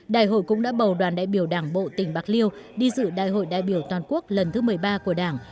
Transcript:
đại hội cũng đã bầu đoàn đại biểu đảng bộ tỉnh bạc liêu đi dự đại hội đại biểu toàn quốc lần thứ một mươi ba của đảng